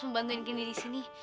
membangun kini disini